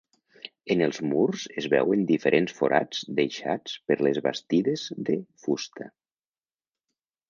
En els murs es veuen diferents forats deixats per les bastides de fusta.